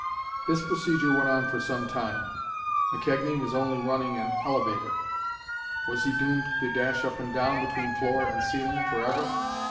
This procedure went on for some time. McKegnie was only running an elevator. Was he doomed to dash up and down between floor and ceiling forever?